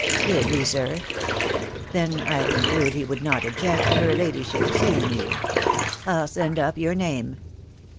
"Did he, sir? Then I conclude he would not object to her ladyship seeing you. I'll send up your name.